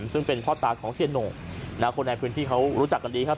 ซึ่งเป็นพ่อตาของเสียโหน่งคนในพื้นที่เขารู้จักกันดีครับ